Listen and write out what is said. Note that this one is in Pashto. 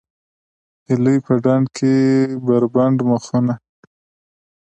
هیلۍ په ډنډ کې بربنډ مخونه